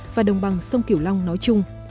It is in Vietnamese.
và đồng bằng sông kiều long nói chung